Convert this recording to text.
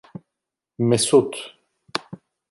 Mesut